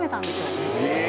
え！